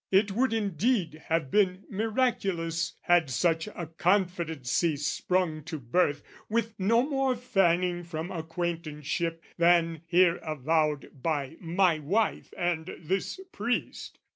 "It would indeed have been miraculous "Had such a confidency sprung to birth "With no more fanning from acquaintanceship "Than here avowed by my wife and this priest.